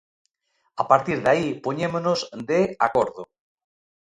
A partir de aí poñémonos de acordo.